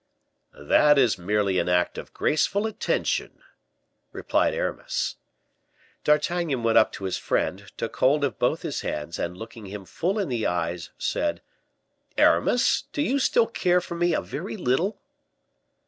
"That is merely an act of graceful attention," replied Aramis. D'Artagnan went up to his friend, took hold of both his hands, and looking him full in the eyes, said, "Aramis, do you still care for me a very little?"